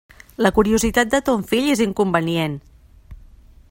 La curiositat de ton fill és inconvenient.